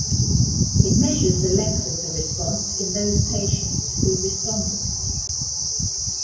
It measures the length of the response in those patients who responded.